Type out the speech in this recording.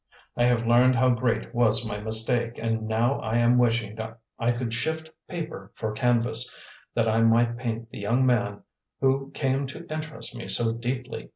I have learned how great was my mistake, and now I am wishing I could shift paper for canvas, that I might paint the young man who came to interest me so deeply.